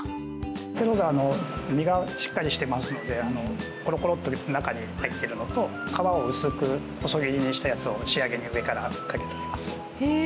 ポンテローザは身がしっかりしていますのでコロコロッと中に入っているのと皮を薄く細切りにしたやつを仕上げに上からかけています。